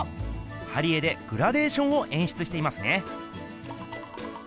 貼り絵でグラデーションをえんしゅつしていますね。